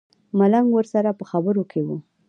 ملنګ ورسره په خبرو کې و.